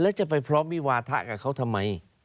แล้วจะไปพร้อมวิวาทะกับเขาทำไม